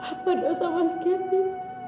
apa dosa mas kevin